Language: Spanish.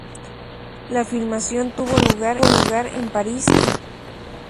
La filmación tuvo lugar en París y Viena.